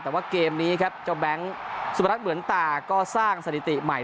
แต่ว่าเกมนี้ครับเจ้าแบงค์สุพนัทเหมือนตาก็สร้างสถิติใหม่